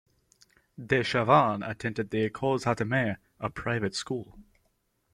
Dechavanne attended the Cours Hattemer, a private school.